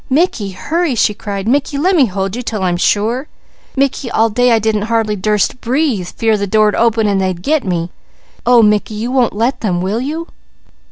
"Mickey, hurry!" she cried. "Mickey, lemme hold you 'til I'm sure! Mickey, all day I didn't hardly durst breathe, fear the door'd open an' they'd 'get' me. Oh Mickey, you won't let them, will you?"